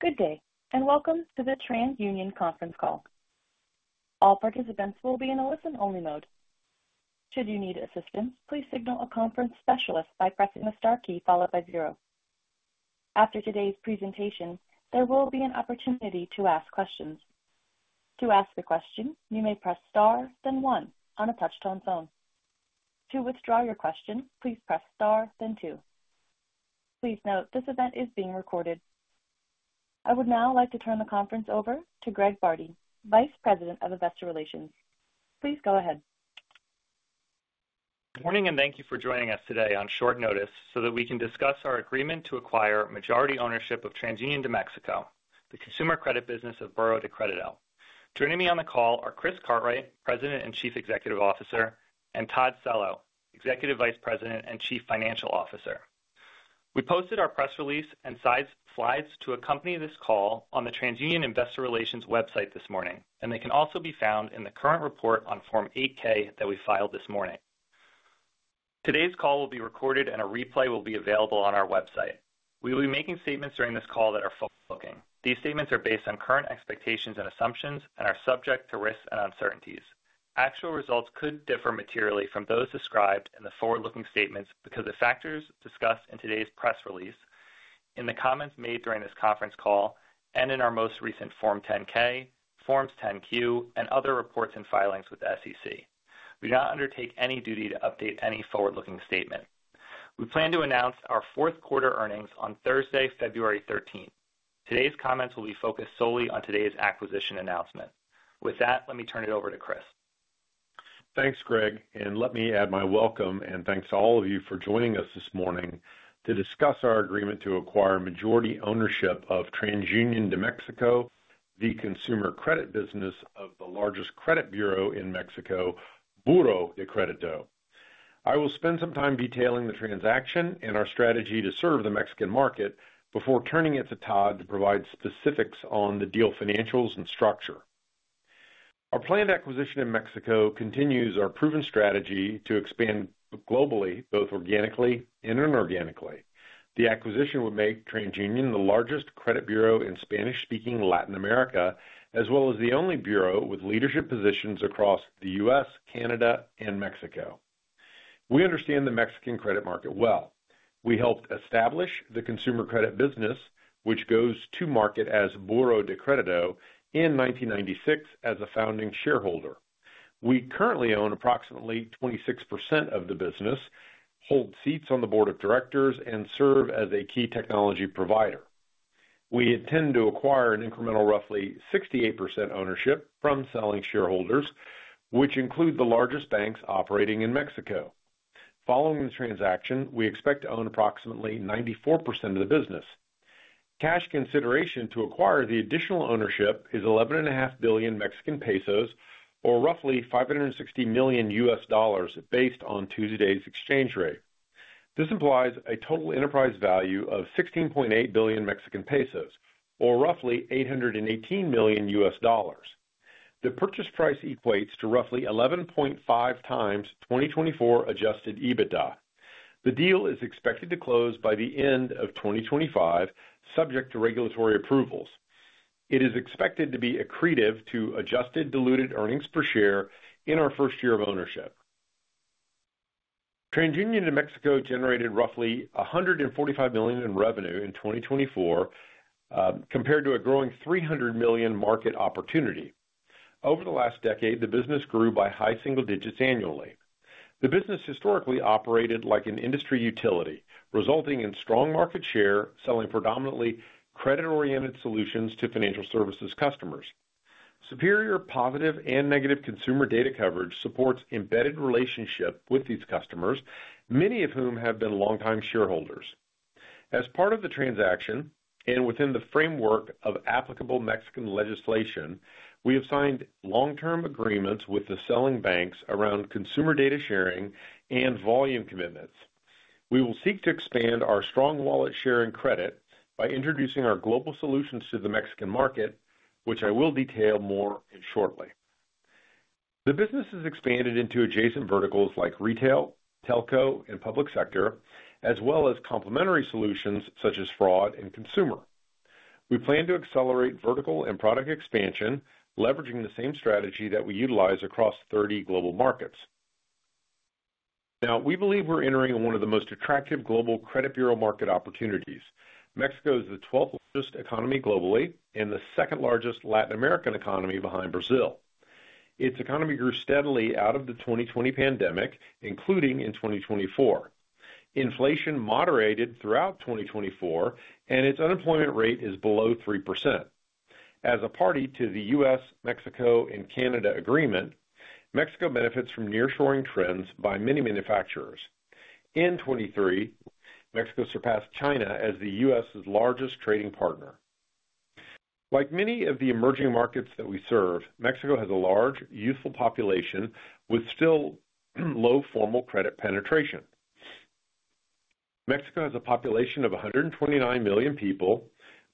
Good day, and welcome to the TransUnion Conference Call. All participants will be in a listen-only mode. Should you need assistance, please signal a conference specialist by pressing the star key followed by zero. After today's presentation, there will be an opportunity to ask questions. To ask a question, you may press star, then one, on a touch-tone phone. To withdraw your question, please press star, then two. Please note this event is being recorded. I would now like to turn the conference over to Greg Bardi, Vice President of Investor Relations. Please go ahead. Good morning, and thank you for joining us today on short notice so that we can discuss our agreement to acquire majority ownership of TransUnion de México, the consumer credit business of Buró de Crédito. Joining me on the call are Chris Cartwright, President and Chief Executive Officer, and Todd Cello, Executive Vice President and Chief Financial Officer. We posted our press release and slides to accompany this call on the TransUnion Investor Relations website this morning, and they can also be found in the current report on Form 8-K that we filed this morning. Today's call will be recorded, and a replay will be available on our website. We will be making statements during this call that are forward-looking. These statements are based on current expectations and assumptions and are subject to risks and uncertainties. Actual results could differ materially from those described in the forward-looking statements because of the factors discussed in today's press release, in the comments made during this conference call, and in our most recent Form 10-K, Forms 10-Q, and other reports and filings with the SEC. We do not undertake any duty to update any forward-looking statement. We plan to announce our Q4 earnings on Thursday, February 13th. Today's comments will be focused solely on today's acquisition announcement. With that, let me turn it over to Chris. Thanks, Greg. And let me add my welcome and thanks to all of you for joining us this morning to discuss our agreement to acquire majority ownership of TransUnion de México, the consumer credit business of the largest credit bureau in Mexico, Buró de Crédito. I will spend some time detailing the transaction and our strategy to serve the Mexican market before turning it to Todd to provide specifics on the deal financials and structure. Our planned acquisition in Mexico continues our proven strategy to expand globally, both organically and inorganically. The acquisition would make TransUnion the largest credit bureau in Spanish-speaking Latin America, as well as the only bureau with leadership positions across the U.S., Canada, and Mexico. We understand the Mexican credit market well. We helped establish the consumer credit business, which goes to market as Buró de Crédito, in 1996 as a founding shareholder. We currently own approximately 26% of the business, hold seats on the board of directors, and serve as a key technology provider. We intend to acquire an incremental roughly 68% ownership from selling shareholders, which include the largest banks operating in Mexico. Following the transaction, we expect to own approximately 94% of the business. Cash consideration to acquire the additional ownership is 11.5 billion Mexican pesos, or roughly $560 million based on Tuesday's exchange rate. This implies a total enterprise value of 16.8 billion Mexican pesos, or roughly $818 million. The purchase price equates to roughly 11.5 times 2024 Adjusted EBITDA. The deal is expected to close by the end of 2025, subject to regulatory approvals. It is expected to be accretive to Adjusted Diluted Earnings Per Share in our first year of ownership. TransUnion de México generated roughly $145 million in revenue in 2024, compared to a growing $300 million market opportunity. Over the last decade, the business grew by high single digits annually. The business historically operated like an industry utility, resulting in strong market share, selling predominantly credit-oriented solutions to financial services customers. Superior positive and negative consumer data coverage supports embedded relationships with these customers, many of whom have been longtime shareholders. As part of the transaction and within the framework of applicable Mexican legislation, we have signed long-term agreements with the selling banks around consumer data sharing and volume commitments. We will seek to expand our strong wallet sharing credit by introducing our global solutions to the Mexican market, which I will detail more shortly. The business has expanded into adjacent verticals like retail, telco, and public sector, as well as complementary solutions such as fraud and consumer. We plan to accelerate vertical and product expansion, leveraging the same strategy that we utilize across 30 global markets. Now, we believe we're entering one of the most attractive global credit bureau market opportunities. Mexico is the 12th largest economy globally and the second largest Latin American economy behind Brazil. Its economy grew steadily out of the 2020 pandemic, including in 2024. Inflation moderated throughout 2024, and its unemployment rate is below 3%. As a party to the U.S., Mexico, and Canada agreement, Mexico benefits from nearshoring trends by many manufacturers. In 2023, Mexico surpassed China as the U.S.'s largest trading partner. Like many of the emerging markets that we serve, Mexico has a large, youthful population with still low formal credit penetration. Mexico has a population of 129 million people,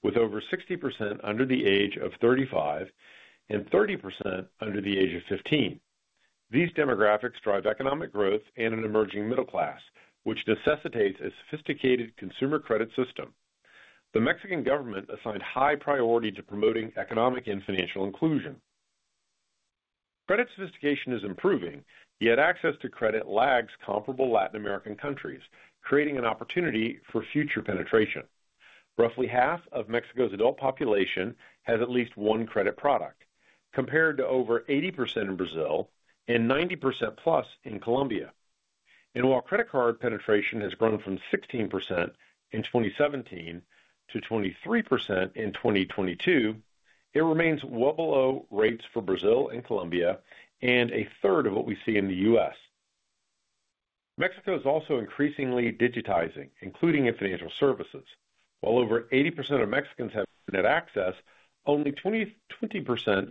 with over 60% under the age of 35 and 30% under the age of 15. These demographics drive economic growth and an emerging middle class, which necessitates a sophisticated consumer credit system. The Mexican government assigned high priority to promoting economic and financial inclusion. Credit sophistication is improving, yet access to credit lags comparable Latin American countries, creating an opportunity for future penetration. Roughly half of Mexico's adult population has at least one credit product, compared to over 80% in Brazil and 90% plus in Colombia. While credit card penetration has grown from 16% in 2017 to 23% in 2022, it remains well below rates for Brazil and Colombia and a third of what we see in the US. Mexico is also increasingly digitizing, including in financial services. While over 80% of Mexicans have internet access, only 20%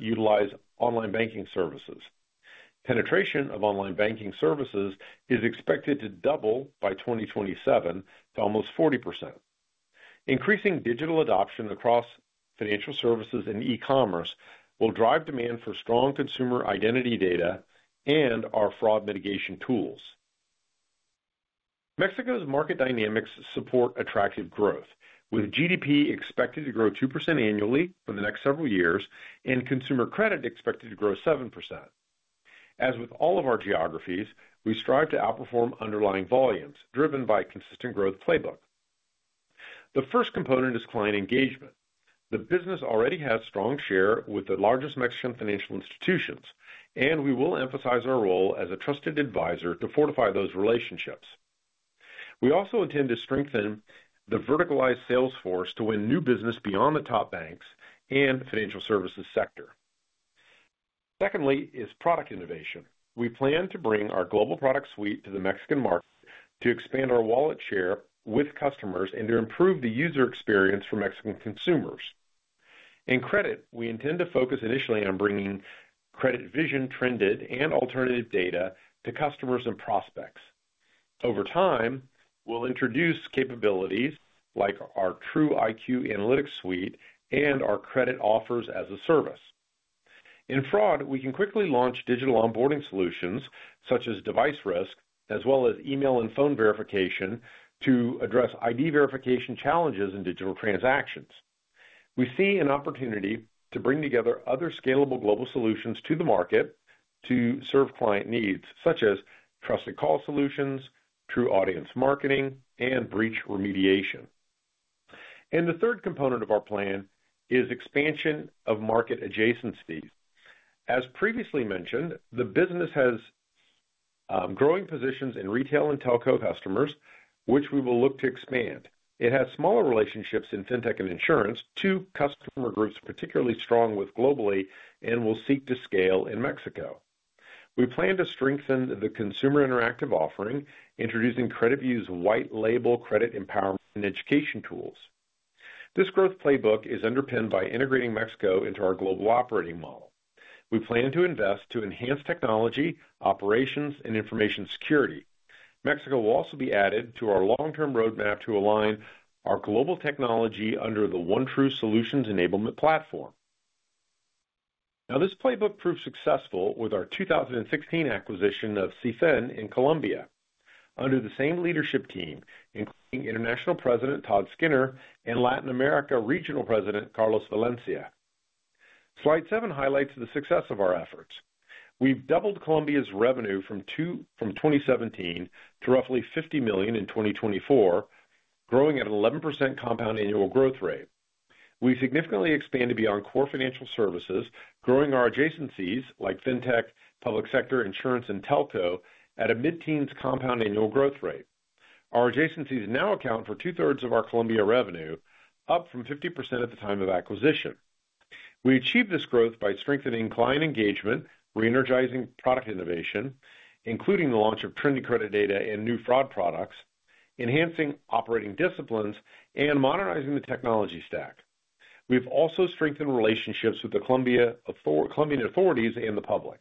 utilize online banking services. Penetration of online banking services is expected to double by 2027 to almost 40%. Increasing digital adoption across financial services and e-commerce will drive demand for strong consumer identity data and our fraud mitigation tools. Mexico's market dynamics support attractive growth, with GDP expected to grow 2% annually for the next several years and consumer credit expected to grow 7%. As with all of our geographies, we strive to outperform underlying volumes driven by a consistent growth playbook. The first component is client engagement. The business already has a strong share with the largest Mexican financial institutions, and we will emphasize our role as a trusted advisor to fortify those relationships. We also intend to strengthen the verticalized sales force to win new business beyond the top banks and financial services sector. Secondly is product innovation. We plan to bring our global product suite to the Mexican market to expand our wallet share with customers and to improve the user experience for Mexican consumers. In credit, we intend to focus initially on bringing CreditVision, trended, and alternative data to customers and prospects. Over time, we'll introduce capabilities like our TruIQ analytics suite and our CreditOffers as a service. In fraud, we can quickly launch Digital Onboarding solutions such as device risk, as well as email and phone verification to address ID verification challenges in digital transactions. We see an opportunity to bring together other scalable global solutions to the market to serve client needs, such as trusted call solutions, TruAudience marketing, and breach remediation, and the third component of our plan is expansion of market adjacencies. As previously mentioned, the business has growing positions in retail and telco customers, which we will look to expand. It has smaller relationships in fintech and insurance, two customer groups particularly strong with us globally, and will seek to scale in Mexico. We plan to strengthen the consumer interactive offering, introducing CreditView's white label credit empowerment and education tools. This growth playbook is underpinned by integrating Mexico into our global operating model. We plan to invest to enhance technology, operations, and information security. Mexico will also be added to our long-term roadmap to align our global technology under the OneTru Solutions Enablement Platform. Now, this playbook proved successful with our 2016 acquisition of CIFIN in Colombia under the same leadership team, including International President Todd Skinner and Latin America Regional President Carlos Valencia. Slide 7 highlights the success of our efforts. We've doubled Colombia's revenue from 2017 to roughly $50 million in 2024, growing at an 11% compound annual growth rate. We significantly expanded beyond core financial services, growing our adjacencies like fintech, public sector, insurance, and telco at a mid-teens compound annual growth rate. Our adjacencies now account for two-thirds of our Colombia revenue, up from 50% at the time of acquisition. We achieved this growth by strengthening client engagement, re-energizing product innovation, including the launch of trended credit data and new fraud products, enhancing operating disciplines, and modernizing the technology stack. We've also strengthened relationships with the Colombian authorities and the public.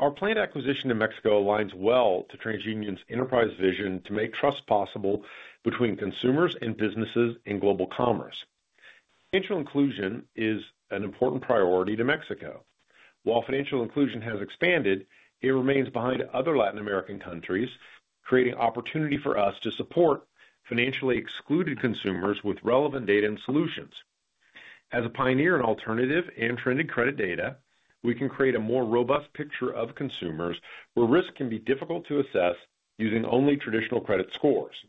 Our planned acquisition in Mexico aligns well to TransUnion's enterprise vision to make trust possible between consumers and businesses in global commerce. Financial inclusion is an important priority to Mexico. While financial inclusion has expanded, it remains behind other Latin American countries, creating opportunity for us to support financially excluded consumers with relevant data and solutions. As a pioneer in alternative and trended credit data, we can create a more robust picture of consumers where risk can be difficult to assess using only traditional credit scores.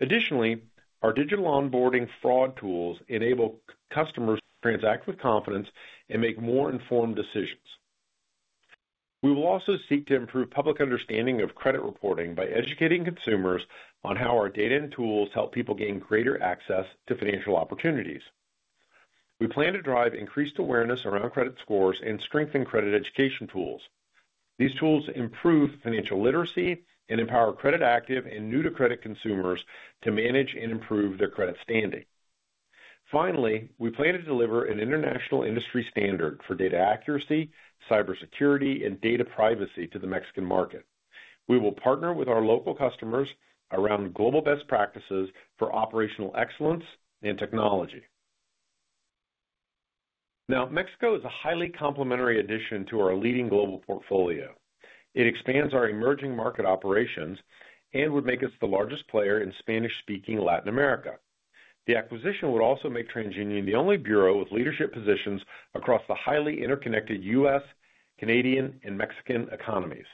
Additionally, our digital onboarding fraud tools enable customers to transact with confidence and make more informed decisions. We will also seek to improve public understanding of credit reporting by educating consumers on how our data and tools help people gain greater access to financial opportunities. We plan to drive increased awareness around credit scores and strengthen credit education tools. These tools improve financial literacy and empower credit-active and new-to-credit consumers to manage and improve their credit standing. Finally, we plan to deliver an international industry standard for data accuracy, cybersecurity, and data privacy to the Mexican market. We will partner with our local customers around global best practices for operational excellence and technology. Now, Mexico is a highly complementary addition to our leading global portfolio. It expands our emerging market operations and would make us the largest player in Spanish-speaking Latin America. The acquisition would also make TransUnion the only bureau with leadership positions across the highly interconnected U.S., Canadian, and Mexican economies.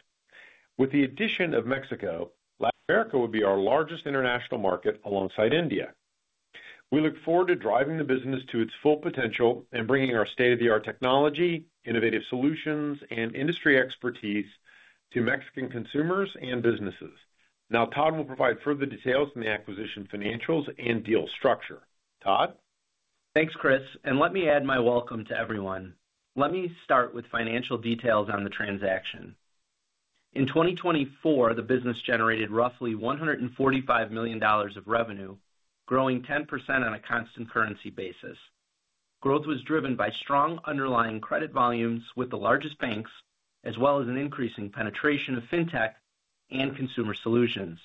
With the addition of Mexico, Latin America would be our largest international market alongside India. We look forward to driving the business to its full potential and bringing our state-of-the-art technology, innovative solutions, and industry expertise to Mexican consumers and businesses. Now, Todd will provide further details on the acquisition financials and deal structure. Todd? Thanks, Chris. And let me add my welcome to everyone. Let me start with financial details on the transaction. In 2024, the business generated roughly $145 million of revenue, growing 10% on a constant currency basis. Growth was driven by strong underlying credit volumes with the largest banks, as well as an increasing penetration of fintech and consumer solutions.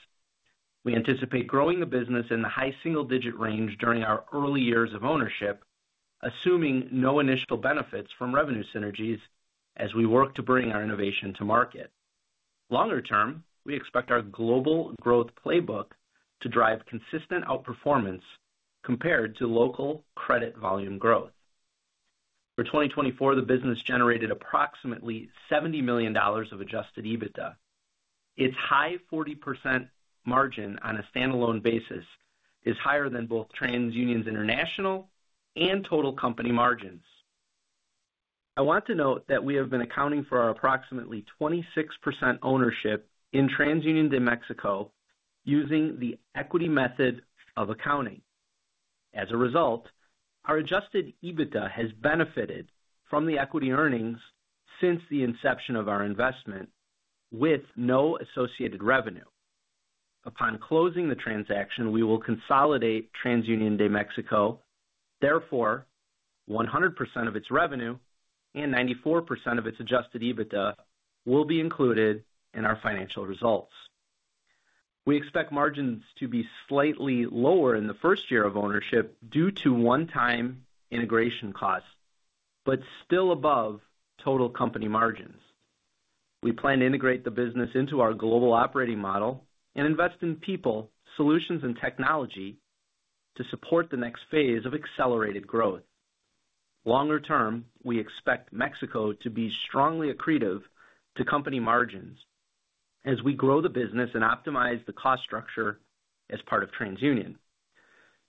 We anticipate growing the business in the high single-digit range during our early years of ownership, assuming no initial benefits from revenue synergies as we work to bring our innovation to market. Longer term, we expect our global growth playbook to drive consistent outperformance compared to local credit volume growth. For 2024, the business generated approximately $70 million of Adjusted EBITDA. Its high 40% margin on a standalone basis is higher than both TransUnion's international and total company margins. I want to note that we have been accounting for our approximately 26% ownership in TransUnion de México using the equity method of accounting. As a result, our Adjusted EBITDA has benefited from the equity earnings since the inception of our investment, with no associated revenue. Upon closing the transaction, we will consolidate TransUnion de México. Therefore, 100% of its revenue and 94% of its adjusted EBITDA will be included in our financial results. We expect margins to be slightly lower in the first year of ownership due to one-time integration costs, but still above total company margins. We plan to integrate the business into our global operating model and invest in people, solutions, and technology to support the next phase of accelerated growth. Longer term, we expect Mexico to be strongly accretive to company margins as we grow the business and optimize the cost structure as part of TransUnion.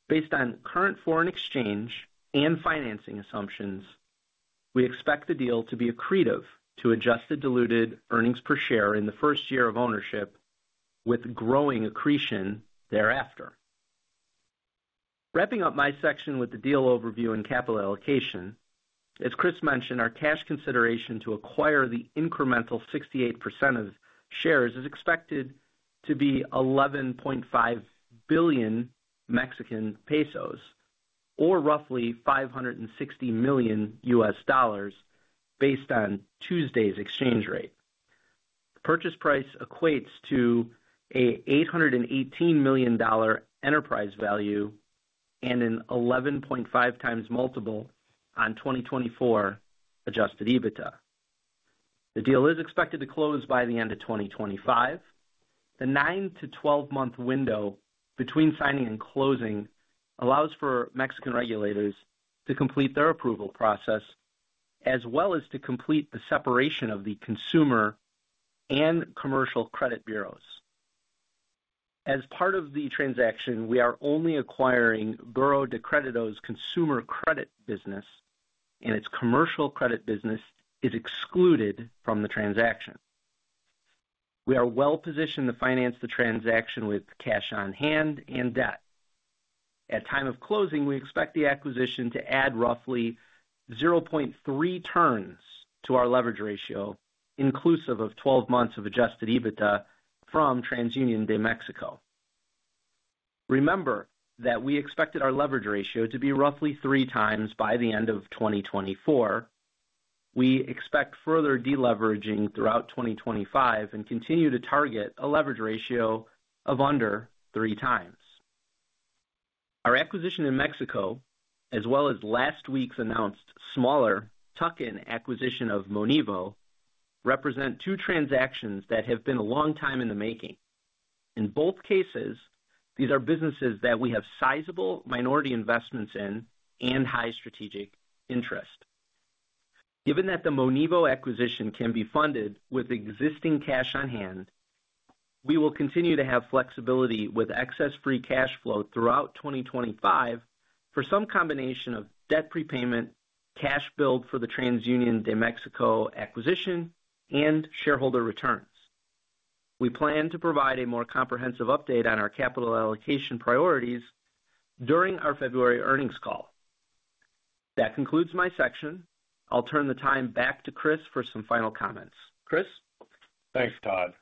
Based on current foreign exchange and financing assumptions, we expect the deal to be accretive to adjusted diluted earnings per share in the first year of ownership, with growing accretion thereafter. Wrapping up my section with the deal overview and capital allocation, as Chris mentioned, our cash consideration to acquire the incremental 68% of shares is expected to be 11.5 billion Mexican pesos, or roughly $560 million based on Tuesday's exchange rate. The purchase price equates to an $818 million enterprise value and an 11.5 times multiple on 2024 Adjusted EBITDA. The deal is expected to close by the end of 2025. The nine- to 12-month window between signing and closing allows for Mexican regulators to complete their approval process, as well as to complete the separation of the consumer and commercial credit bureaus. As part of the transaction, we are only acquiring Buró de Crédito's consumer credit business, and its commercial credit business is excluded from the transaction. We are well-positioned to finance the transaction with cash on hand and debt. At time of closing, we expect the acquisition to add roughly 0.3 turns to our leverage ratio, inclusive of 12 months of Adjusted EBITDA from TransUnion de México. Remember that we expected our leverage ratio to be roughly three times by the end of 2024. We expect further deleveraging throughout 2025 and continue to target a leverage ratio of under three times. Our acquisition in Mexico, as well as last week's announced smaller tuck-in acquisition of Monevo, represent two transactions that have been a long time in the making. In both cases, these are businesses that we have sizable minority investments in and high strategic interest. Given that the Monevo acquisition can be funded with existing cash on hand, we will continue to have flexibility with excess free cash flow throughout 2025 for some combination of debt prepayment, cash build for the TransUnion de México acquisition, and shareholder returns. We plan to provide a more comprehensive update on our capital allocation priorities during our February earnings call. That concludes my section. I'll turn the time back to Chris for some final comments. Chris? Thanks, Todd.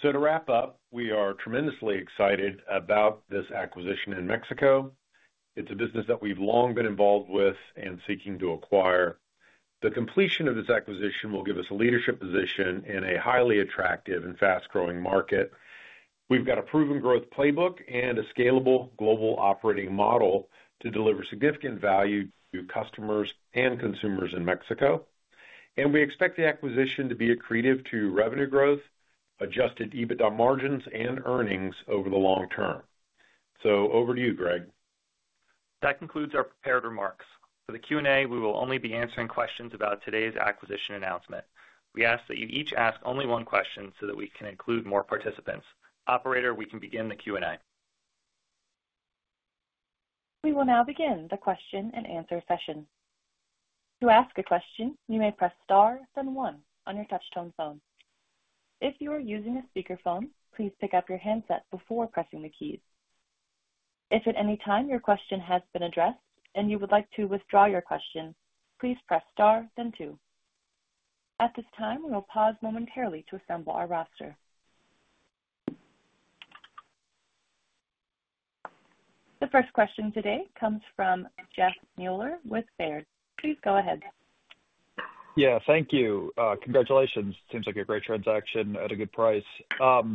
So to wrap up, we are tremendously excited about this acquisition in Mexico. It's a business that we've long been involved with and seeking to acquire. The completion of this acquisition will give us a leadership position in a highly attractive and fast-growing market. We've got a proven growth playbook and a scalable global operating model to deliver significant value to customers and consumers in Mexico. And we expect the acquisition to be accretive to revenue growth, adjusted EBITDA margins, and earnings over the long term. So over to you, Greg. That concludes our prepared remarks. For the Q&A, we will only be answering questions about today's acquisition announcement. We ask that you each ask only one question so that we can include more participants. Operator, we can begin the Q&A. We will now begin the question and answer session. To ask a question, you may press star, then one on your touch-tone phone. If you are using a speakerphone, please pick up your handset before pressing the keys. If at any time your question has been addressed and you would like to withdraw your question, please press star, then two. At this time, we will pause momentarily to assemble our roster. The first question today comes from Jeff Meuler with Baird. Please go ahead. Yeah, thank you. Congratulations. Seems like a great transaction at a good price. Can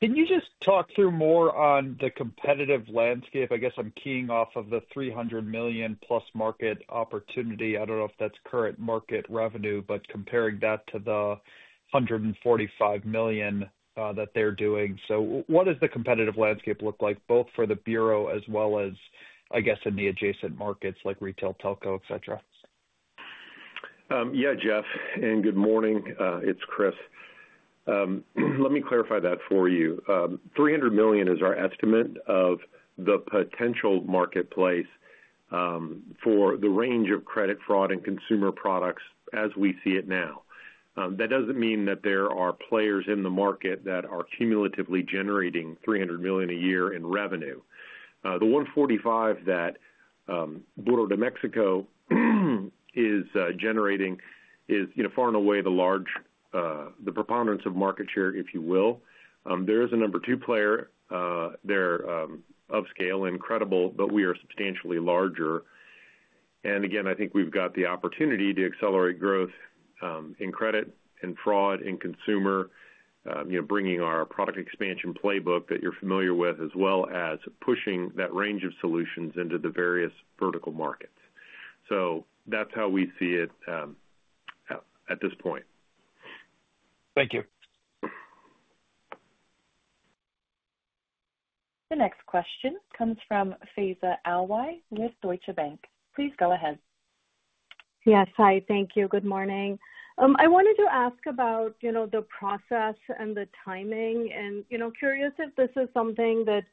you just talk through more on the competitive landscape? I guess I'm keying off of the 300 million-plus market opportunity. I don't know if that's current market revenue, but comparing that to the $145 million that they're doing. So what does the competitive landscape look like, both for the bureau as well as, I guess, in the adjacent markets like retail, telco, etc.? Yeah, Jeff, and good morning. It's Chris. Let me clarify that for you. $300 million is our estimate of the potential marketplace for the range of credit fraud and consumer products as we see it now. That doesn't mean that there are players in the market that are cumulatively generating $300 million a year in revenue. The $145 million that Buró de Crédito is generating is far and away the large preponderance of market share, if you will. There is a number two player. They're upscale and credible, but we are substantially larger. Again, I think we've got the opportunity to accelerate growth in credit and fraud and consumer, bringing our product expansion playbook that you're familiar with, as well as pushing that range of solutions into the various vertical markets. So that's how we see it at this point. Thank you. The next question comes from Faiza Alwy with Deutsche Bank. Please go ahead. Yes, hi. Thank you. Good morning. I wanted to ask about the process and the timing and curious if this is something that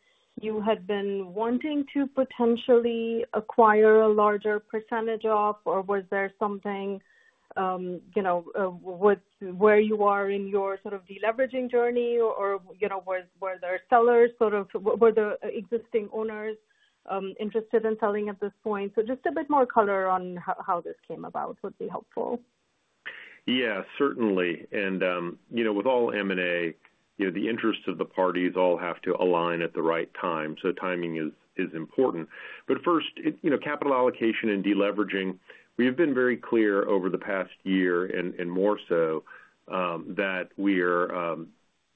you had been wanting to potentially acquire a larger percentage of, or was there something where you are in your sort of deleveraging journey, or were there sellers, sort of were there existing owners interested in selling at this point? So just a bit more color on how this came about would be helpful. Yeah, certainly. With all M&A, the interests of the parties all have to align at the right time. Timing is important. First, capital allocation and deleveraging, we have been very clear over the past year and more so that we are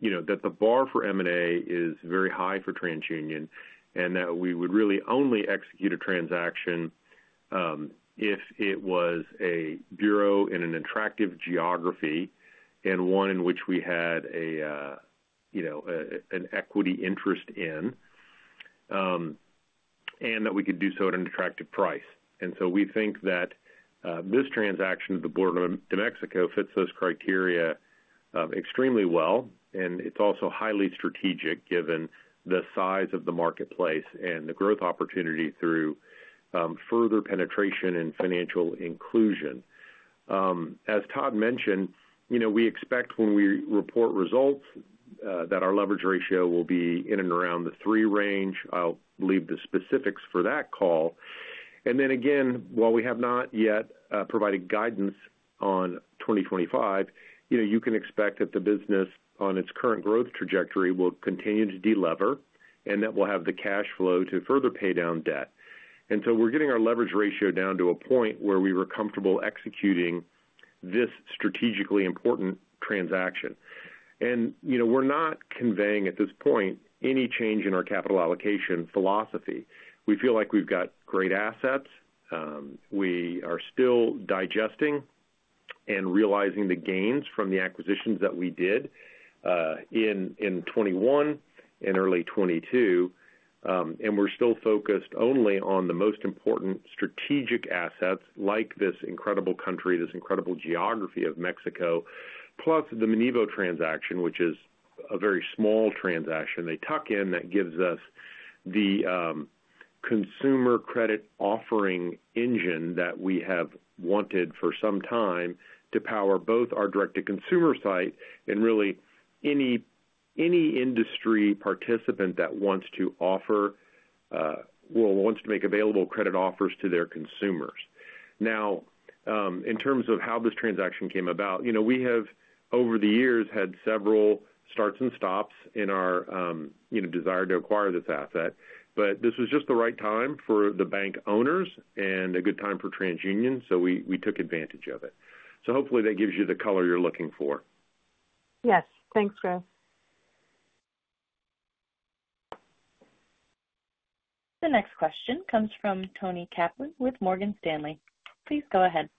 the bar for M&A is very high for TransUnion and that we would really only execute a transaction if it was a bureau in an attractive geography and one in which we had an equity interest in and that we could do so at an attractive price. So we think that this transaction of the Buró de México fits those criteria extremely well. It's also highly strategic given the size of the marketplace and the growth opportunity through further penetration and financial inclusion. As Todd mentioned, we expect when we report results that our leverage ratio will be in and around the three range. I'll leave the specifics for that call. And then again, while we have not yet provided guidance on 2025, you can expect that the business on its current growth trajectory will continue to delever and that we'll have the cash flow to further pay down debt. And so we're getting our leverage ratio down to a point where we were comfortable executing this strategically important transaction. And we're not conveying at this point any change in our capital allocation philosophy. We feel like we've got great assets. We are still digesting and realizing the gains from the acquisitions that we did in 2021 and early 2022. And we're still focused only on the most important strategic assets like this incredible country, this incredible geography of Mexico, plus the Monevo transaction, which is a very small transaction. The tuck-in that gives us the consumer credit offering engine that we have wanted for some time to power both our direct-to-consumer site and really any industry participant that wants to offer, well, wants to make available credit offers to their consumers. Now, in terms of how this transaction came about, we have, over the years, had several starts and stops in our desire to acquire this asset, but this was just the right time for the bank owners and a good time for TransUnion. So we took advantage of it. So hopefully that gives you the color you're looking for. Yes. Thanks, Chris. The next question comes from Toni Kaplan with Morgan Stanley. Please go ahead.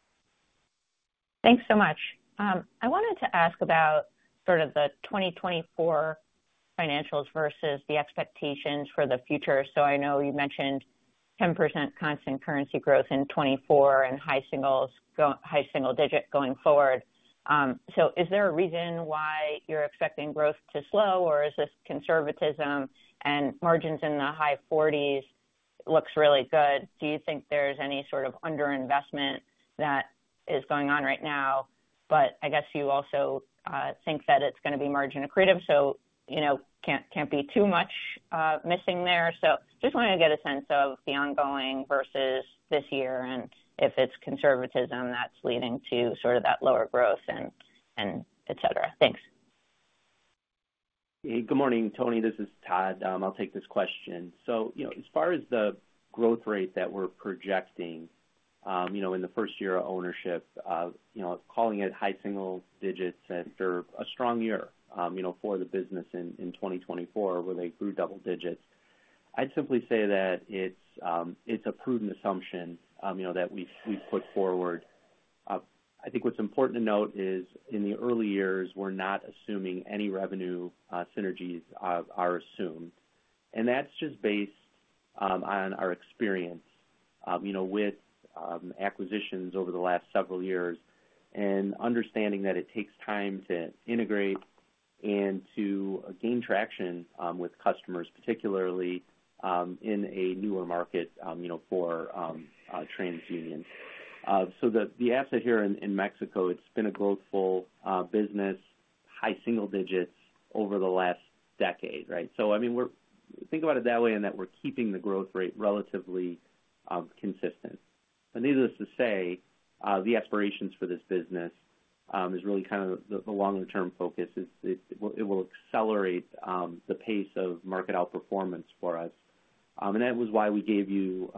Thanks so much. I wanted to ask about sort of the 2024 financials versus the expectations for the future. So I know you mentioned 10% constant currency growth in 2024 and high single digit going forward. So is there a reason why you're expecting growth to slow, or is this conservatism and margins in the high 40s looks really good? Do you think there's any sort of underinvestment that is going on right now? But I guess you also think that it's going to be margin accretive, so can't be too much missing there. So just wanted to get a sense of the ongoing versus this year and if it's conservatism that's leading to sort of that lower growth and etc. Thanks. Good morning, Toni. This is Todd. I'll take this question. So as far as the growth rate that we're projecting in the first year of ownership, calling it high single digits, after a strong year for the business in 2024 where they grew double digits, I'd simply say that it's a prudent assumption that we've put forward. I think what's important to note is in the early years, we're not assuming any revenue synergies are assumed. And that's just based on our experience with acquisitions over the last several years and understanding that it takes time to integrate and to gain traction with customers, particularly in a newer market for TransUnion. So the asset here in Mexico, it's been a growthful business, high single digits over the last decade, right? So I mean, think about it that way in that we're keeping the growth rate relatively consistent. But needless to say, the aspirations for this business is really kind of the longer-term focus is it will accelerate the pace of market outperformance for us. And that was why we gave you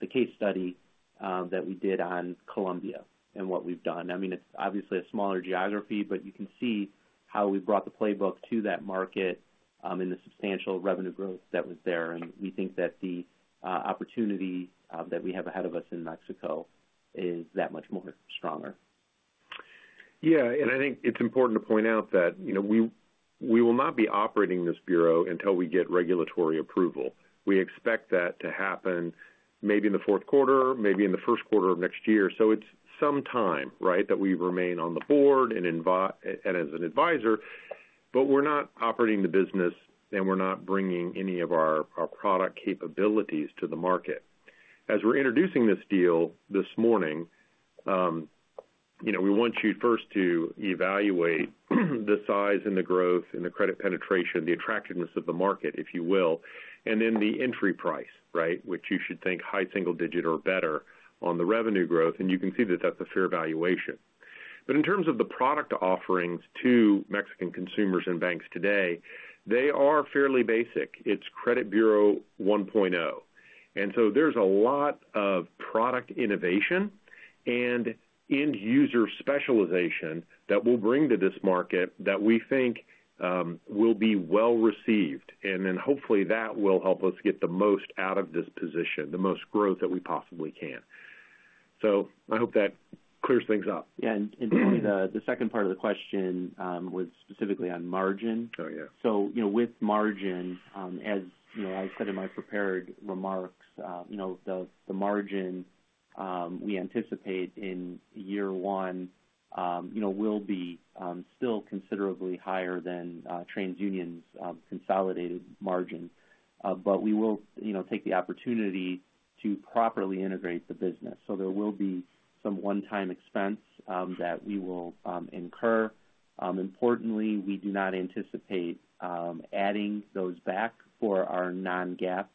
the case study that we did on Colombia and what we've done. I mean, it's obviously a smaller geography, but you can see how we brought the playbook to that market and the substantial revenue growth that was there. And we think that the opportunity that we have ahead of us in Mexico is that much more stronger. Yeah. And I think it's important to point out that we will not be operating this bureau until we get regulatory approval. We expect that to happen maybe in the Q4, maybe in the Q1 of next year. So it's some time, right, that we remain on the board and as an advisor, but we're not operating the business and we're not bringing any of our product capabilities to the market. As we're introducing this deal this morning, we want you first to evaluate the size and the growth and the credit penetration, the attractiveness of the market, if you will, and then the entry price, right, which you should think high single digit or better on the revenue growth. And you can see that that's a fair valuation. But in terms of the product offerings to Mexican consumers and banks today, they are fairly basic. It's Credit Bureau 1.0. And so there's a lot of product innovation and end-user specialization that we'll bring to this market that we think will be well received. Hopefully that will help us get the most out of this position, the most growth that we possibly can. I hope that clears things up. Yeah. Toni, the second part of the question was specifically on margin. With margin, as I said in my prepared remarks, the margin we anticipate in year one will be still considerably higher than TransUnion's consolidated margin. We will take the opportunity to properly integrate the business. There will be some one-time expense that we will incur. Importantly, we do not anticipate adding those back for our non-GAAP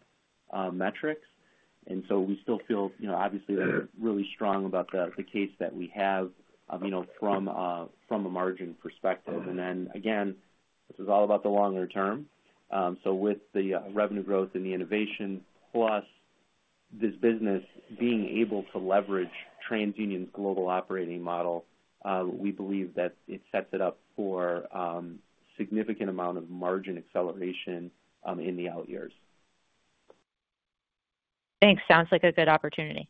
metrics. We still feel obviously really strong about the case that we have from a margin perspective. This is all about the longer term. So with the revenue growth and the innovation, plus this business being able to leverage TransUnion's global operating model, we believe that it sets it up for a significant amount of margin acceleration in the out years. Thanks. Sounds like a good opportunity.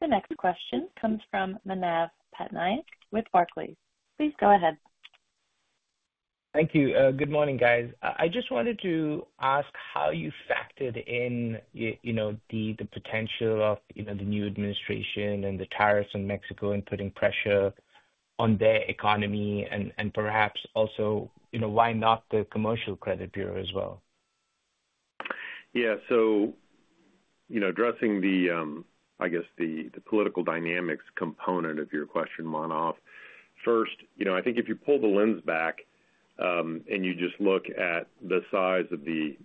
The next question comes from Manav Patnaik with Barclays. Please go ahead. Thank you. Good morning, guys. I just wanted to ask how you factored in the potential of the new administration and the tariffs on Mexico and putting pressure on their economy and perhaps also why not the commercial credit bureau as well? Yeah. Addressing the, I guess, the political dynamics component of your question, Manav, first, I think if you pull the lens back and you just look at the size and the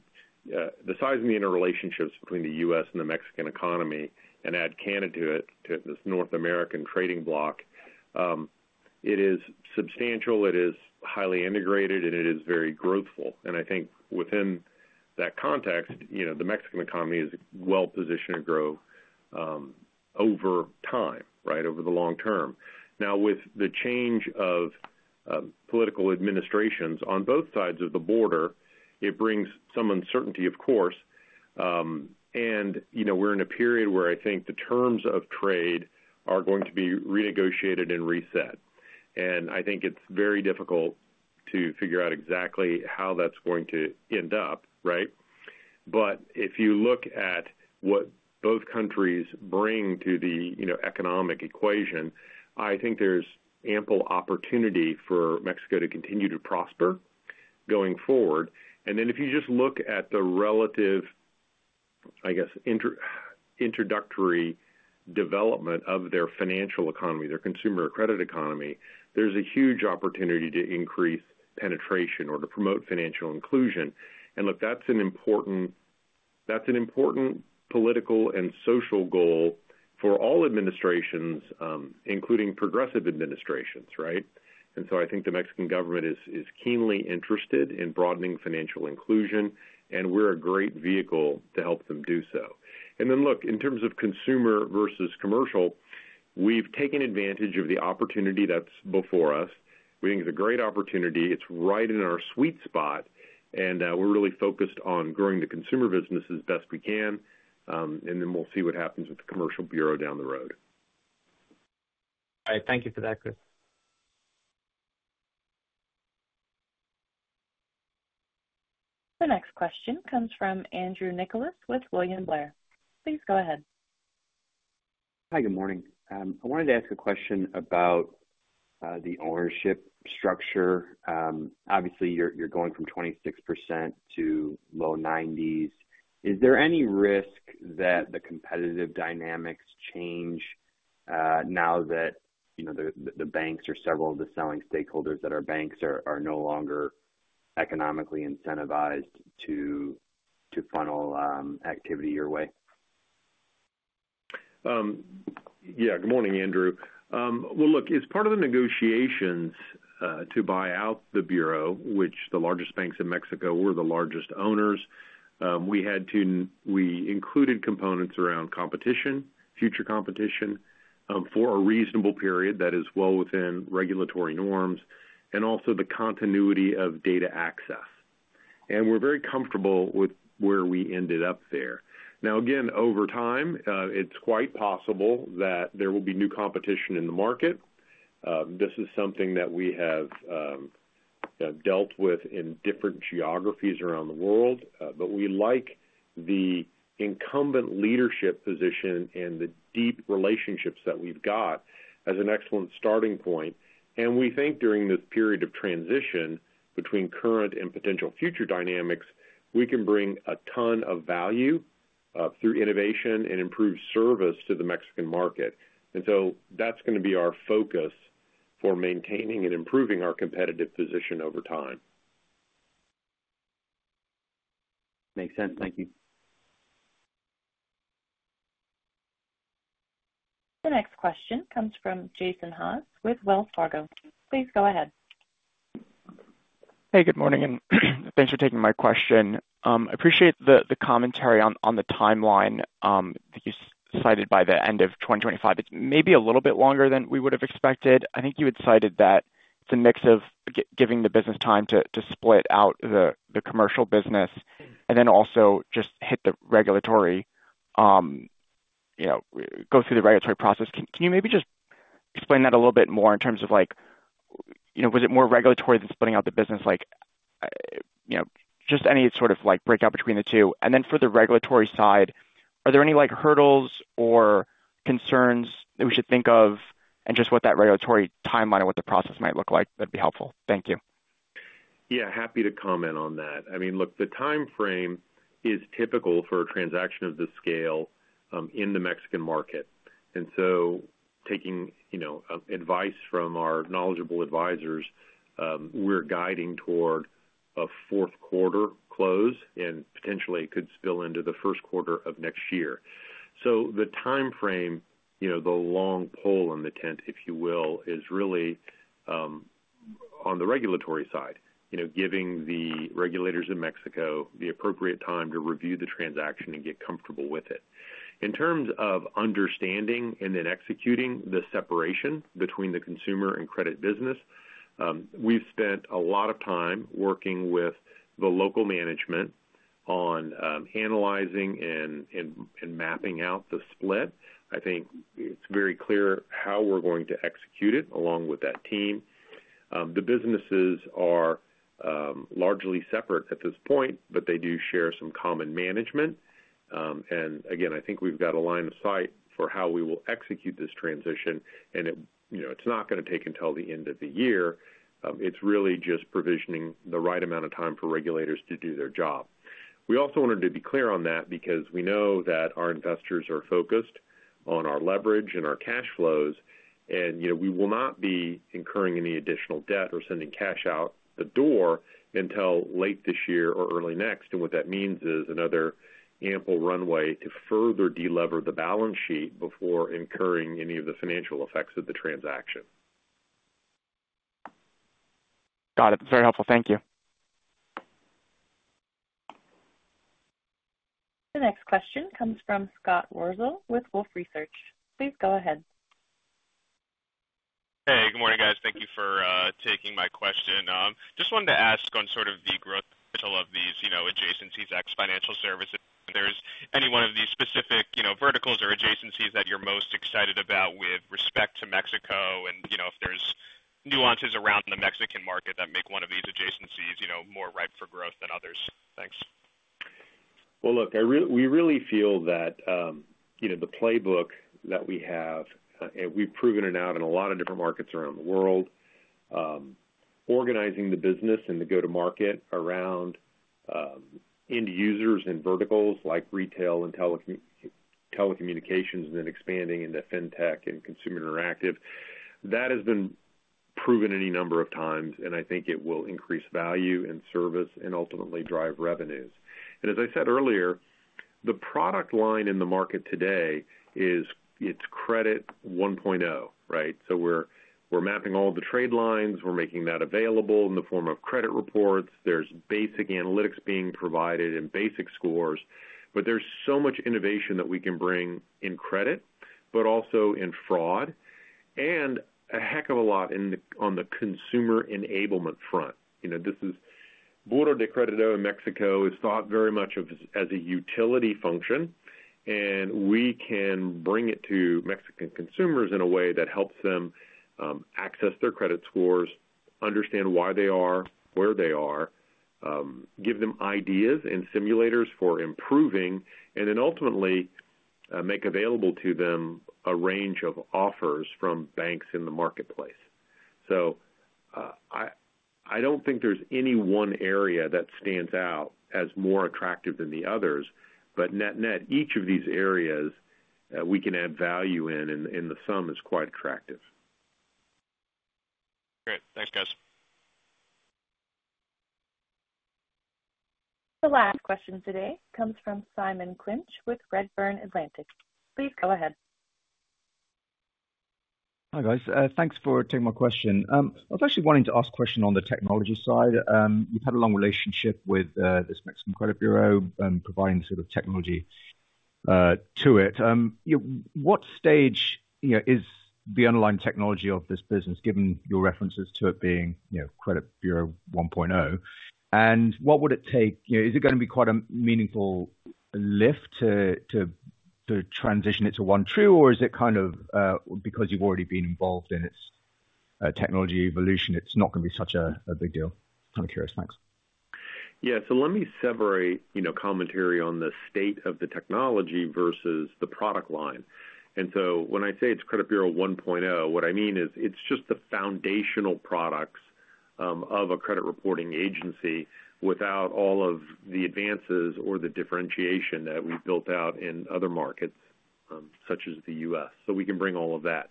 interrelationships between the U.S. and the Mexican economy and add Canada to it, this North American trading bloc, it is substantial, it is highly integrated, and it is very growthful. I think within that context, the Mexican economy is well positioned to grow over time, right, over the long term. Now, with the change of political administrations on both sides of the border, it brings some uncertainty, of course. We're in a period where I think the terms of trade are going to be renegotiated and reset. I think it's very difficult to figure out exactly how that's going to end up, right? If you look at what both countries bring to the economic equation, I think there's ample opportunity for Mexico to continue to prosper going forward. If you just look at the relative, I guess, introductory development of their financial economy, their consumer credit economy, there's a huge opportunity to increase penetration or to promote financial inclusion. Look, that's an important political and social goal for all administrations, including progressive administrations, right? I think the Mexican government is keenly interested in broadening financial inclusion, and we're a great vehicle to help them do so. Look, in terms of consumer versus commercial, we've taken advantage of the opportunity that's before us. We think it's a great opportunity. It's right in our sweet spot. We're really focused on growing the consumer business as best we can. Then we'll see what happens with the commercial bureau down the road. All right. Thank you for that, Chris. The next question comes from Andrew Nicholas with William Blair. Please go ahead. Hi, good morning. I wanted to ask a question about the ownership structure. Obviously, you're going from 26% to low 90s. Is there any risk that the competitive dynamics change now that the banks are several of the selling stakeholders that are banks are no longer economically incentivized to funnel activity your way? Yeah. Good morning, Andrew. Well, look, as part of the negotiations to buy out the bureau, which the largest banks in Mexico were the largest owners, we included components around competition, future competition for a reasonable period that is well within regulatory norms, and also the continuity of data access. We're very comfortable with where we ended up there. Now, again, over time, it's quite possible that there will be new competition in the market. This is something that we have dealt with in different geographies around the world, but we like the incumbent leadership position and the deep relationships that we've got as an excellent starting point. And we think during this period of transition between current and potential future dynamics, we can bring a ton of value through innovation and improved service to the Mexican market. And so that's going to be our focus for maintaining and improving our competitive position over time. Makes sense. Thank you. The next question comes from Jason Haas with Wells Fargo. Please go ahead. Hey, good morning. And thanks for taking my question. I appreciate the commentary on the timeline that you cited by the end of 2025. It's maybe a little bit longer than we would have expected. I think you had cited that it's a mix of giving the business time to split out the commercial business and then also just hit the regulatory, go through the regulatory process. Can you maybe just explain that a little bit more in terms of was it more regulatory than splitting out the business, just any sort of breakout between the two? And then for the regulatory side, are there any hurdles or concerns that we should think of and just what that regulatory timeline and what the process might look like? That'd be helpful. Thank you. Yeah. Happy to comment on that. I mean, look, the timeframe is typical for a transaction of this scale in the Mexican market. And so taking advice from our knowledgeable advisors, we're guiding toward a Q4 close and potentially could spill into the Q1 of next year. So the timeframe, the long pole in the tent, if you will, is really on the regulatory side, giving the regulators in Mexico the appropriate time to review the transaction and get comfortable with it. In terms of understanding and then executing the separation between the consumer and credit business, we've spent a lot of time working with the local management on analyzing and mapping out the split. I think it's very clear how we're going to execute it along with that team. The businesses are largely separate at this point, but they do share some common management. And again, I think we've got a line of sight for how we will execute this transition. And it's not going to take until the end of the year. It's really just provisioning the right amount of time for regulators to do their job. We also wanted to be clear on that because we know that our investors are focused on our leverage and our cash flows. And we will not be incurring any additional debt or sending cash out the door until late this year or early next. And what that means is another ample runway to further delever the balance sheet before incurring any of the financial effects of the transaction. Got it. That's very helpful. Thank you. The next question comes from Scott Wurtzel with Wolfe Research. Please go ahead. Hey, good morning, guys. Thank you for taking my question. Just wanted to ask on sort of the growth of these adjacencies X financial services. there any one of these specific verticals or adjacencies that you're most excited about with respect to Mexico and if there's nuances around the Mexican market that make one of these adjacencies more ripe for growth than others? Thanks. Well, look, we really feel that the playbook that we have, and we've proven it out in a lot of different markets around the world, organizing the business and the go-to-market around end users and verticals like retail and telecommunications, and then expanding into fintech and consumer interactive, that has been proven any number of times. And I think it will increase value and service and ultimately drive revenues. And as I said earlier, the product line in the market today is. It's Credit 1.0, right? So we're mapping all the trade lines. We're making that available in the form of credit reports. There's basic analytics being provided and basic scores. But there's so much innovation that we can bring in credit, but also in fraud, and a heck of a lot on the consumer enablement front. This is Buró de Crédito in Mexico is thought very much as a utility function. And we can bring it to Mexican consumers in a way that helps them access their credit scores, understand why they are, where they are, give them ideas and simulators for improving, and then ultimately make available to them a range of offers from banks in the marketplace. So I don't think there's any one area that stands out as more attractive than the others. But net-net, each of these areas we can add value in, and the sum is quite attractive. Great. Thanks, guys. The last question today comes from Simon Clinch with Redburn Atlantic. Please go ahead. Hi, guys. Thanks for taking my question. I was actually wanting to ask a question on the technology side. You've had a long relationship with this Mexican credit bureau providing the sort of technology to it. What stage is the underlying technology of this business, given your references to it being Credit Bureau 1.0? And what would it take? Is it going to be quite a meaningful lift to transition it to 1.0, or is it kind of because you've already been involved in its technology evolution, it's not going to be such a big deal? Kind of curious. Thanks. Yeah. So let me separate commentary on the state of the technology versus the product line. And so when I say it's Credit Bureau 1.0, what I mean is it's just the foundational products of a credit reporting agency without all of the advances or the differentiation that we've built out in other markets such as the U.S. So we can bring all of that.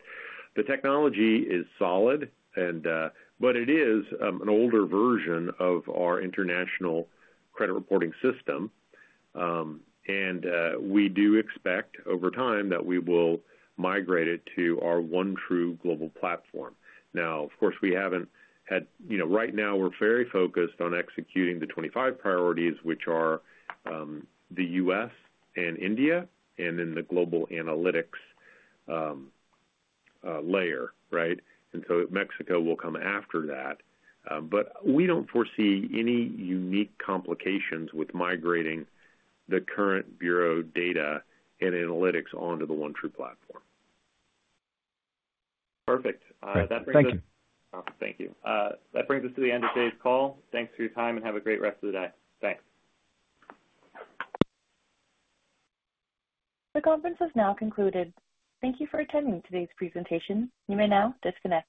The technology is solid, but it is an older version of our international credit reporting system. And we do expect over time that we will migrate it to our 1.0 global platform. Now, of course, we haven't had right now, we're very focused on executing the 25 priorities, which are the U.S. and India and then the global analytics layer, right? And so Mexico will come after that. But we don't foresee any unique complications with migrating the current bureau data and analytics onto the 1.0 platform. Perfect. That brings us to the end of today's call. Thanks for your time and have a great rest of the day. Thanks. The conference has now concluded. Thank you for attending today's presentation. You may now disconnect.